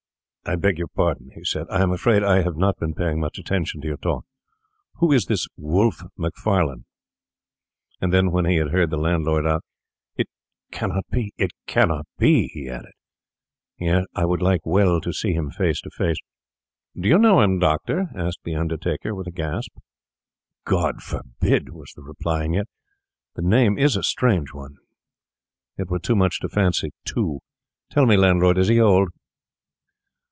'I beg your pardon,' he said, 'I am afraid I have not been paying much attention to your talk. Who is this Wolfe Macfarlane?' And then, when he had heard the landlord out, 'It cannot be, it cannot be,' he added; 'and yet I would like well to see him face to face.' 'Do you know him, Doctor?' asked the undertaker, with a gasp. 'God forbid!' was the reply. 'And yet the name is a strange one; it were too much to fancy two. Tell me, landlord, is he old?